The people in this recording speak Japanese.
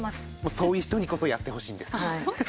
そういう人にこそやってほしいんです。